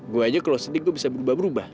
gua aja kalo sedih gua bisa berubah berubah